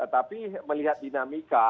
tapi melihat dinamika